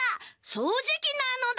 そうじきなのだ！